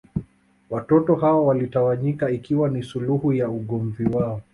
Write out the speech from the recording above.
Watoto hawa walitawanyika ikiwa ni suluhu ya ugomvi wao